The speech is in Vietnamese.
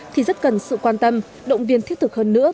thì rất cần sự quan tâm động viên thiết thực hơn nữa